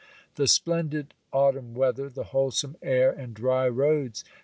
The splendid autumn weather, the wholesome air, and dry roads Chap.